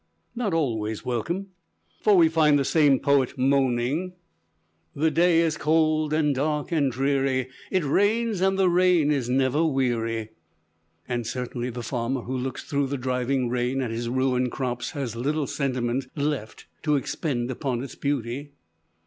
Not always welcome; for we find the same poet moaning: "The day is cold, and dark, and dreary, It rains, and the rain is never weary." And certainly, the farmer who looks through the driving rain at his ruined crops has little sentiment left to expend upon its beauty.